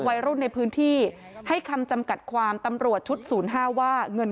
วัยรุ่นในพื้นที่ให้คำจำกัดความตำรวจชุด๐๕ว่าเงิน